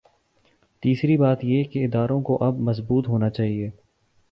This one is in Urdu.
تیسری بات یہ کہ اداروں کو اب مضبوط ہو نا چاہیے۔